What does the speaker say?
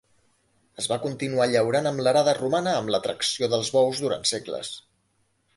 Es va continuar llaurant amb l'arada romana amb la tracció dels bous durant segles.